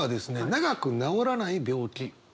長く治らない病気。